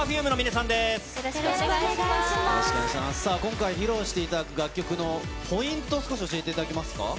さあ、今回、披露していただく楽曲のポイントを少し教えていただけますか？